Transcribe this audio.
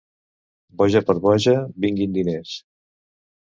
Boja per boja, vinguin diners.